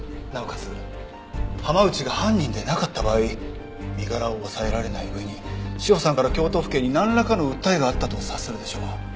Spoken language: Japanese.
なおかつ浜内が犯人でなかった場合身柄を押さえられない上に詩帆さんから京都府警になんらかの訴えがあったと察するでしょう。